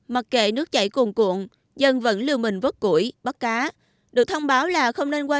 mặt kệ nước chảy cuồn cuộn dân vẫn liều mình vớt củi bắt cá được thông báo là không nên qua